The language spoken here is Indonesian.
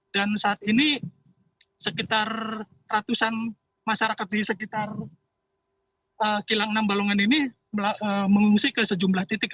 dan saat ini sekitar ratusan masyarakat di sekitar kilang enam balongan ini mengungsi ke sejumlah titik